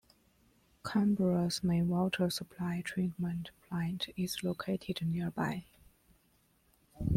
Canberra's main water supply treatment plant is located nearby.